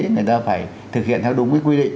người ta phải thực hiện theo đúng cái quy định